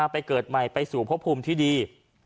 ไปเกิดใหม่ไปสู่พบภูมิที่ดี